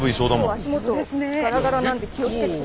足元ガラガラなんで気を付けてください。